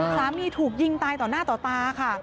คราวนี้ถูกยิงตายต่อหน้าต่อตา